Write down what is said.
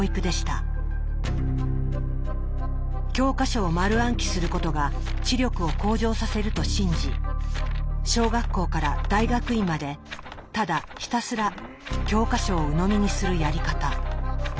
教科書を丸暗記することが知力を向上させると信じ小学校から大学院までただひたすら教科書をうのみにするやり方。